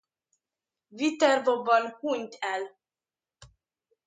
Viterboban hunyt el.